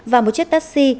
và một chiếc taxi